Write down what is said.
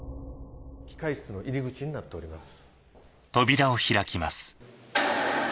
機械室の入り口になっております。